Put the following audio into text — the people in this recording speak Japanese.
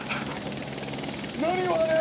何よあれ。